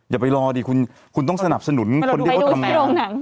อย่าไปรอดิคุณต้องสนับสนุนคนที่เขาทำงาน